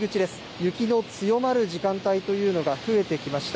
雪の強まる時間帯というのが増えてきました。